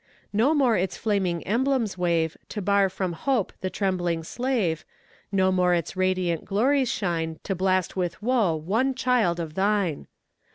No more its flaming emblems wave To bar from hope the trembling slave; No more its radiant glories shine To blast with woe one child of Thine!